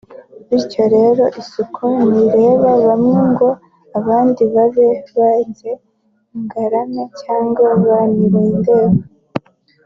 Bityo rero isuku ntireba bamwe ngo abandi babe ba bize ngarame cyangwa ba ntibindeba